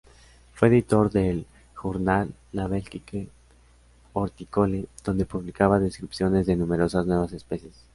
Fue editor del journal ‘La Belgique Horticole’ donde publicaba descripciones de numerosas nuevas especies.